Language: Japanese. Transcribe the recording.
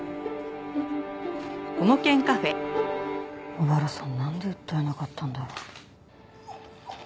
小原さんなんで訴えなかったんだろう？